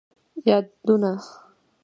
یادونه